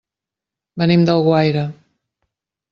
Venim d'Alguaire.